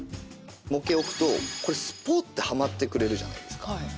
模型を置くとこれスポッてはまってくれるじゃないですか。